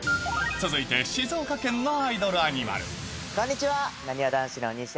続いて静岡県のアイドルアニこんにちは。